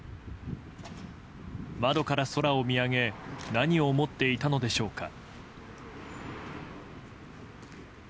窓から空を見上げ何を思っていたのでしょうか。